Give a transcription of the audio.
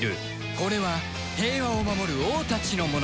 これは平和を守る王たちの物語